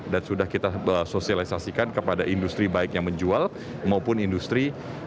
dan sudah kita sosialisasikan kepada industri baik yang menjual maupun industri